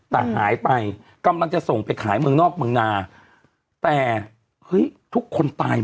แต่หายไปกำลังจะส่งไปขายเมืองนอกเมืองนาฬิกา